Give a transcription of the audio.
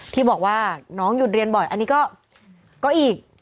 ที่บอกว่าน้องหยุดเรียนบ่อยอันนี้ก็อีก